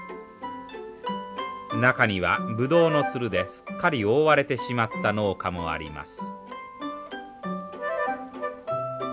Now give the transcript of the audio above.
中にはブドウのツルですっかり覆われてしまった農家もあります。